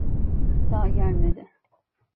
Daha gelmedi.